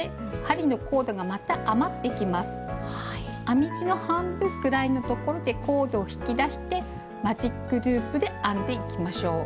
編み地の半分ぐらいのところでコードを引き出してマジックループで編んでいきましょう。